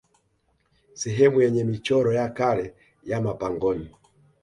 Sehemu yenye michoro ya kale ya mapangoni